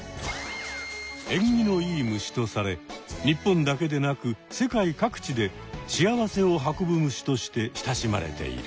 えんぎのいい虫とされ日本だけでなく世界各地で幸せを運ぶ虫として親しまれている。